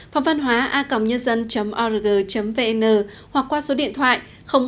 phongvănhoaacomnhân dân org vn hoặc qua số điện thoại hai trăm bốn mươi ba hai trăm sáu mươi sáu chín nghìn năm trăm linh tám